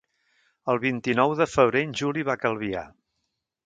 El vint-i-nou de febrer en Juli va a Calvià.